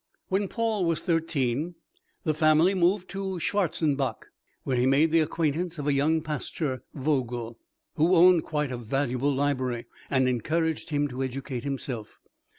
When Paul was thirteen, the family moved to Schwarzenbach, where he made the acquaintance of a young pastor, Vogel, who owned quite a valuable library, and encouraged him to educate himself.